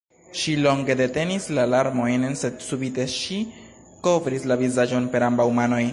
Ŝi longe detenis la larmojn, sed subite ŝi kovris la vizaĝon per ambaŭ manoj.